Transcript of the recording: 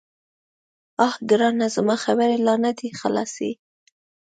_اه ګرانه، زما خبرې لا نه دې خلاصي.